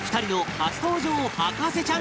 初登場博士ちゃん